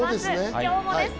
今日もですね。